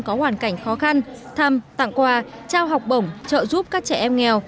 có hoàn cảnh khó khăn thăm tặng quà trao học bổng trợ giúp các trẻ em nghèo